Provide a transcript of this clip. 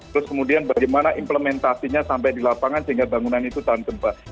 terus kemudian bagaimana implementasinya sampai di lapangan sehingga bangunan itu tahan gempa